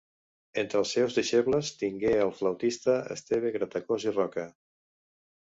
Entre els seus deixebles tingué el flautista Esteve Gratacòs i Roca.